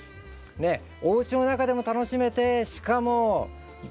ねっおうちの中でも楽しめてしかもドライに。